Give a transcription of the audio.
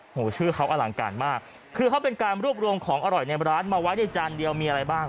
ชื่อเขาอลังการมากคือเขาเป็นการรวบรวมของอร่อยในร้านมาไว้ในจานเดียวมีอะไรบ้าง